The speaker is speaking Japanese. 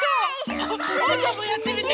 おうちゃんもやってみて。